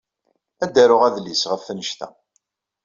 Ad d-aruɣ adlis ɣef wanect-a.